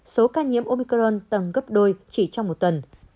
số ca nhiễm omicron tăng gấp đôi chỉ trong một tuần